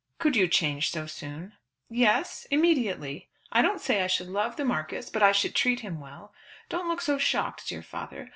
"Could you change so soon?" "Yes; immediately. I don't say I should love the Marquis, but I should treat him well. Don't look so shocked, dear father.